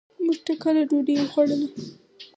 مونږ ټکله ډوډي وخوړله.